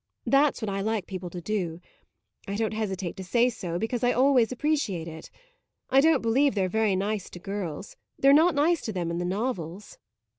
That's what I like people to do. I don't hesitate to say so, because I always appreciate it. I don't believe they're very nice to girls; they're not nice to them in the novels."